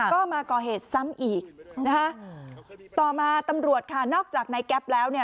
ก็มาก่อเหตุซ้ำอีกนะคะต่อมาตำรวจค่ะนอกจากนายแก๊ปแล้วเนี่ย